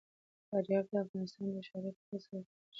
فاریاب د افغانستان د ښاري پراختیا سبب کېږي.